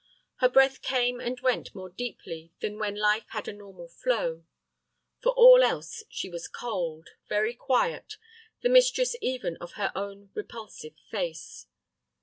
Her breath came and went more deeply than when life had a normal flow. For all else she was cold, very quiet, the mistress even of her own repulsive face.